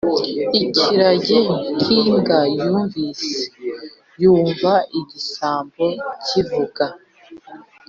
ikiragi nk'imbwa yumvise, yumva igisambo kivuga -